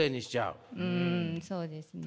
うんそうですね。